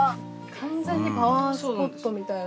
完全にパワースポットみたいな。